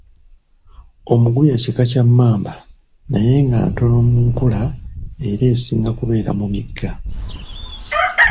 Omuguya kika kya mmamba naye nga ntono mu nkula era esinga kubeera mu migga.